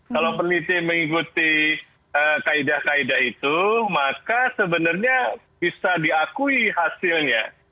kalau peneliti mengikuti kaedah kaedah itu maka sebenarnya bisa diakui hasilnya